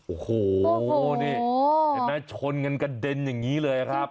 โอ้โหนี่เห็นไหมชนกันกระเด็นอย่างนี้เลยครับ